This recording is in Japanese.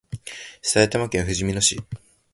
埼玉県ふじみ野市